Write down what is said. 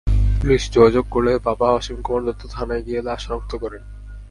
Police যোগাযোগ করলে বাবা অসীম কুমার দত্ত থানায় গিয়ে লাশ শনাক্ত করেন।